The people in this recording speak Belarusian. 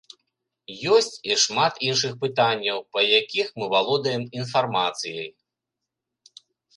Ёсць і шмат іншых пытанняў, па якіх мы валодаем інфармацыяй.